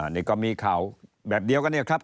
นี่ก็มีข่าวแบบเดียวกันเนี่ยครับ